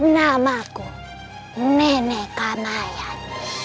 namaku nenek kamayan